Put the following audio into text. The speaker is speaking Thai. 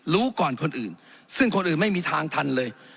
รู้ก่อนคนอื่นซึ่งคนอื่นไม่มีทางทันเลย